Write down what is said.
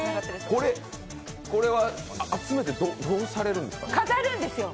これは集めてどうされるんですか？